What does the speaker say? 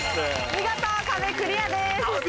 見事壁クリアです。